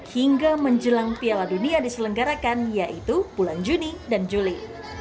hingga menjelang piala dunia diselenggarakan yaitu bulan juni dan juli